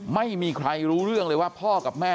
ไม่มีใครรู้เรื่องเลยว่าพ่อกับแม่